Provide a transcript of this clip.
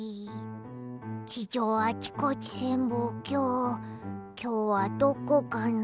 地上あちこち潜望鏡きょうはどこかな？